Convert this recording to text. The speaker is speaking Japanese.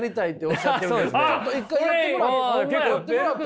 ちょっと一回やってもらって。